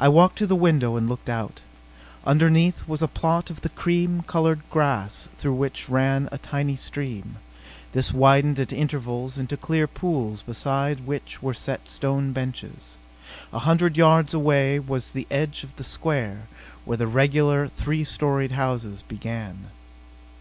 I walked to the window and looked out. Underneath was a plot of the cream colored grass through which ran a tiny stream. This widened at intervals into clear pools beside which were set stone benches. A hundred yards away was the edge of the square, where the regular, three storied houses began.